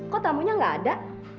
kok tamunya gak ada